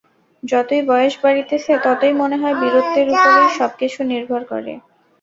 যতই বয়স বাড়িতেছে, ততই মনে হয়, বীরত্বের উপরই সব কিছু নির্ভর করে।